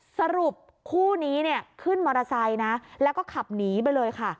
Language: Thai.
สรุปคู่นี้เนี่ยขึ้นมอเตอร์ไซค์นะแล้วก็ขับหนีไปเลยค่ะ